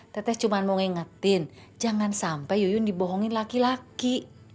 tetes cuma mau ngingetin jangan sampai yuyun dibohongin laki laki